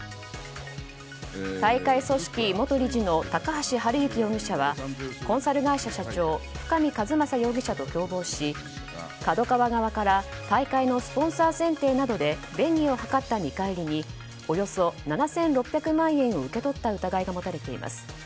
大会組織委元理事の高橋治之容疑者はコンサル会社社長深見和政容疑者と共謀しＫＡＤＯＫＡＷＡ側から大会のスポンサー選定などで便宜を図った見返りにおよそ７６００万円を受け取った疑いが持たれています。